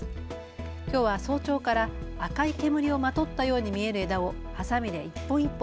きょうは早朝から赤い煙をまとったように見える枝をはさみで一本一本